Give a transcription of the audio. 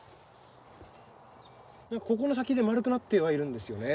ここの先で丸くなってはいるんですよね。